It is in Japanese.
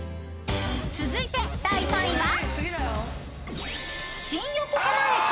［続いて第３位は？］